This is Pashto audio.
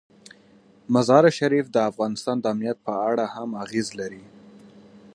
مزارشریف د افغانستان د امنیت په اړه هم اغېز لري.